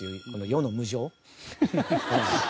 世の無常？